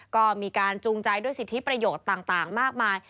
ก็มีการจูงใจด้วยสิทธิประโยชน์ต่างมากมาย